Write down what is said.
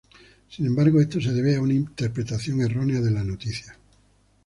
Sin embargo, esto se debe a una interpretación errónea de la noticia.